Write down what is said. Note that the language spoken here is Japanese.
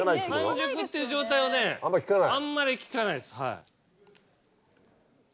完熟っていう状態をねあんまり聞かないです。